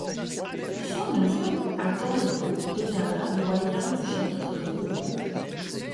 Son neveu Adam Rigaud deviendra doyen du chapitre de Rouen.